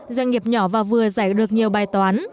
doanh nghiệp nhỏ và vừa giải được nhiều bài toán